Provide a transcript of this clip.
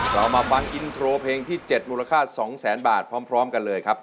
เรามาฟังอินโทรเพลงที่๗มูลค่า๒แสนบาทพร้อมกันเลยครับ